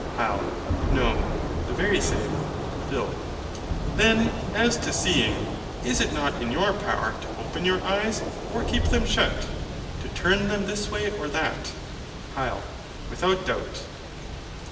HYL. No, the very same. PHIL. Then, as to seeing, is it not in your power to open your eyes, or keep them shut; to turn them this or that way? HYL. Without doubt.